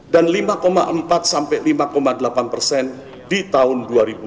lima empat sampai lima delapan persen di tahun dua ribu lima belas